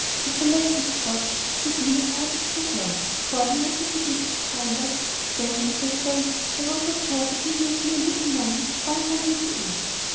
If I left this spot, Zerbino perhaps would get lost, for he might not be able to find us; then if I stayed, there was no chance of me making a little money to buy something to eat.